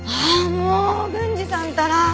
もう郡司さんったら。